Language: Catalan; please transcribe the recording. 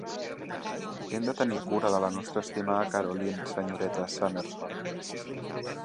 Hem de tenir cura de la nostra estimada Caroline, senyoreta Summerson.